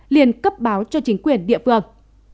liền cấp báo cho chính quyền địa phương